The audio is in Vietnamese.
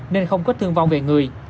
nên không có thương vong về người